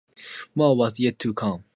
More was yet to come.